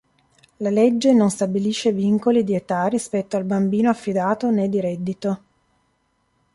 La legge non stabilisce vincoli di età rispetto al bambino affidato né di reddito.